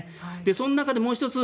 その中でもう１つ